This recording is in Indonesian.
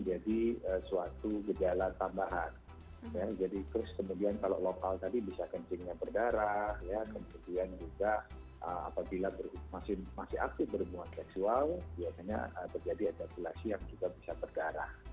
jadi suatu gejala tambahan ya jadi terus kemudian kalau lokal tadi bisa kencing yang berdarah ya kemudian juga apabila masih aktif berhubungan seksual biasanya terjadi etiokalasi yang juga bisa berdarah